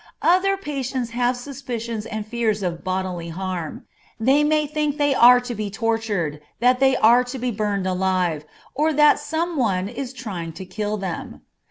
Other patients have suspicions and fears of bodily harm. They may think they are to be tortured, that they are to be burned alive, or that some one is trying to kill them.